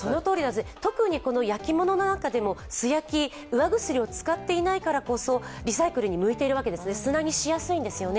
特に焼き物の中でも素焼き、うわぐすりを使っていないからこそリサイクルに向いているわけですよね、砂にしやすいわけですよね。